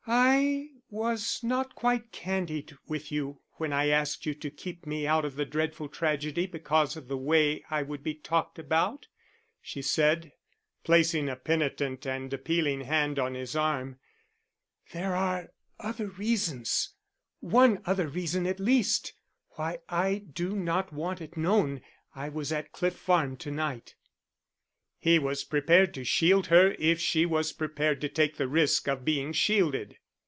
"I was not quite candid with you when I asked you to keep me out of the dreadful tragedy because of the way I would be talked about," she said, placing a penitent and appealing hand on his arm. "There are other reasons one other reason at least why I do not want it known I was at Cliff Farm to night." He was prepared to shield her if she was prepared to take the risk of being shielded.